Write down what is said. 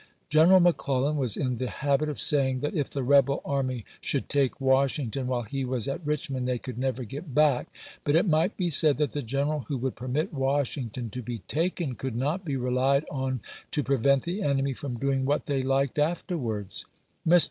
General McClel lan was in the habit of saying that if the rebel army should take Washington while he was at Richmond they could never get back; but it might be said that the general who would permit Wash ington to be taken could not be relied on to prevent the enemy from doing what they liked afterwards. Mr.